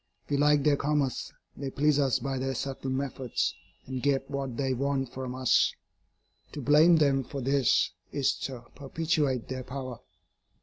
We like their commerce, they please us by their subtle methods, and get what they want from us. To blame them for this is to perpetuate their power.